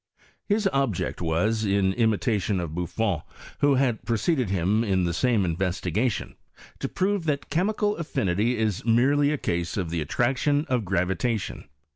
His obj eel was, in imiutioa of BuBbn, who had preceded him in the Bame iDreetigatioD, to prove that chemical affinity is merely a case of the attractioa of gravitation.